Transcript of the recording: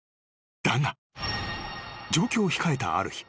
［だが上京を控えたある日］